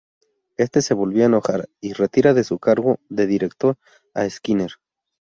Este se volvió a enojar y retira de su cargo de director a Skinner.